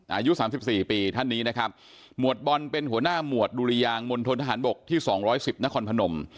อายุ๓๔ปีท่านนี้นะครับหมวดบอลเป็นหัวหน้าหมวดดุริยางมณฑนทหารบกที่๒๑๐นครพนม